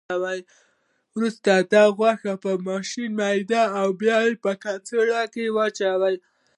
وروسته یې د غوښې په ماشین میده او په یوه کڅوړه کې اچوي.